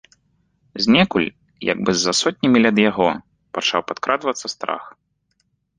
Знекуль, як бы з-за сотні міль ад яго, пачаў падкрадвацца страх.